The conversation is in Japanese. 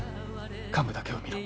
患部だけを見ろ。